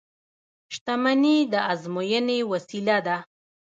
• شتمني د ازموینې وسیله ده.